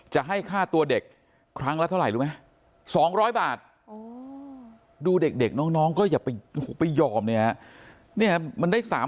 จะให้ค่าตัวเด็กครั้งละเท่าไหร่รู้ไหม๒๐๐บาทดูเด็กน้องก็อย่าไปยอมเนี่ยฮะ